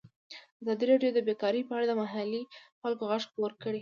ازادي راډیو د بیکاري په اړه د محلي خلکو غږ خپور کړی.